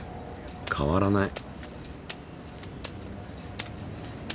変わらない。